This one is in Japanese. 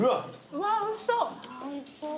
うわおいしそう。